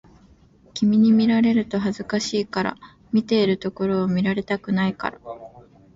君に見られると恥ずかしいから、見ているところを見られたくないから